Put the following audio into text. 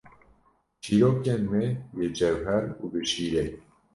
Çîrokên me yê cewher û bi şîret.